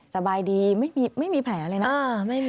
สบายดีไม่มีแผลเลยนะ